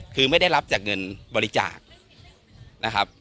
คือไม่ได้รับจากเงินบริจาคนะครับ